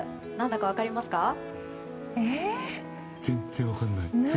何だか分かりますか？